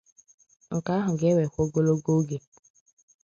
nke ahụ ga-ewekwa ogologo oge